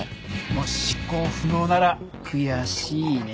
もし執行不能なら悔しいねえ。